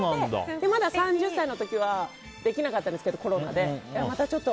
まだ３０歳の時はできなかったんですけどコロナで。